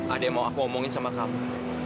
ada yang mau aku omongin sama kamu